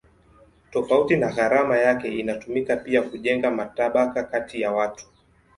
Tofauti ya gharama yake inatumika pia kujenga matabaka kati ya watu.